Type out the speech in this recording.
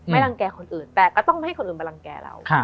รังแก่คนอื่นแต่ก็ต้องไม่ให้คนอื่นมารังแก่เรา